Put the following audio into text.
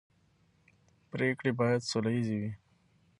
پرېکړې باید سوله ییزې وي